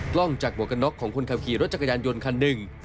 กล้องจากหมวกกันน็อกของคนขับขี่รถจักรยานยนต์คันหนึ่ง